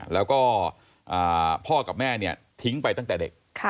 แล้วก็พ่อกับแม่เนี่ยทิ้งไปตั้งแต่เด็ก